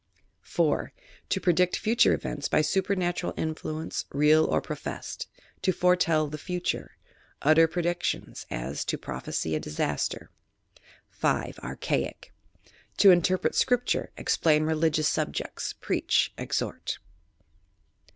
4. To predict future events by supernatural influ ence, real or professed: To foretell the future; utter predictions, as, to prophesy a disaster. 5. (Archaic) To interpret scripture; explain religions subjects, preach ; exhort.